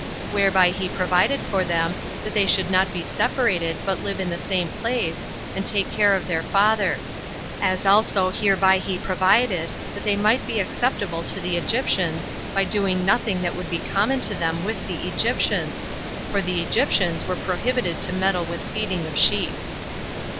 Whereby he provided for them, that they should not be separated, but live in the same place, and take care of their father; as also hereby he provided, that they might be acceptable to the Egyptians, by doing nothing that would be common to them with the Egyptians; for the Egyptians are prohibited to meddle with feeding of sheep.